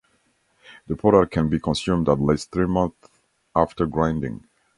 The product can be consumed at least three months after grinding.